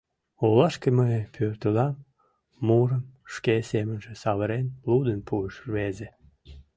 Олашке мый пӧртылам, мурым шке семынже савырен, лудын пуыш рвезе.